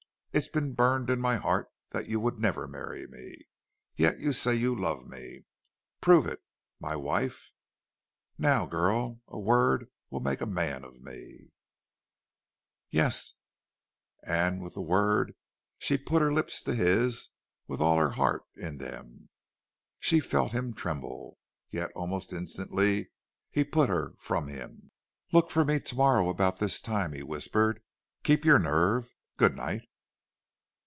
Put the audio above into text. It's been burned in my heart that YOU would never marry me. Yet you say you love me!... Prove it!... MY WIFE!... Now, girl, a word will make a man of me!" "Yes!" And with the word she put her lips to his with all her heart in them. She felt him tremble. Yet almost instantly he put her from him. "Look for me to morrow about this time," he whispered. "Keep your nerve.... Good night."